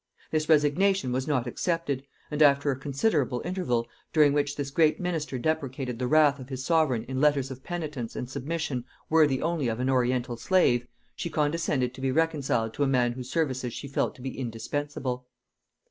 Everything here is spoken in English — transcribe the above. This resignation was not accepted; and after a considerable interval, during which this great minister deprecated the wrath of his sovereign in letters of penitence and submission worthy only of an Oriental slave, she condescended to be reconciled to a man whose services she felt to be indispensable.